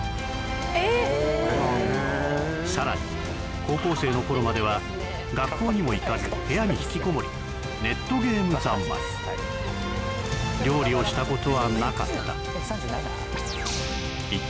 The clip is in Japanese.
へえさらに高校生の頃までは学校にも行かず部屋に引きこもりネットゲーム三昧料理をしたことはなかった一体